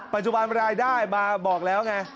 ปัจจุบันเวลาได้บอกแล้วไง